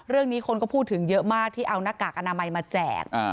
เรื่องนี้คนก็พูดถึงเยอะมากที่เอาหน้ากากอนามัยมาแจก